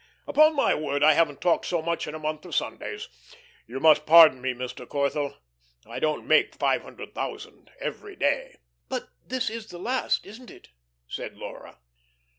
Upon my word, I haven't talked so much in a month of Sundays. You must pardon me, Mr. Corthell. I don't make five hundred thousand every day." "But this is the last isn't it?" said Laura.